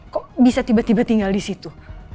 kok bisa tiba tiba tinggal di situ